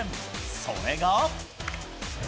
それが。